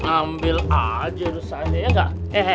ambil aja urusan ya enggak